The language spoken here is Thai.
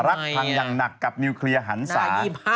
รักพังอย่างหนักกับนิวเคลียร์หันศา